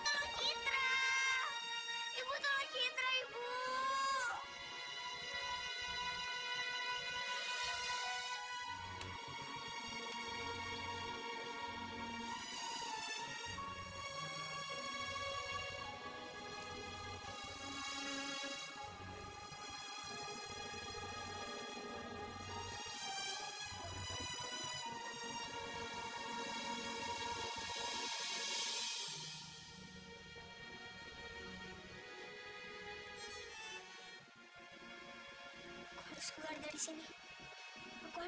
tapi bu jangan diminum bu jangan diminum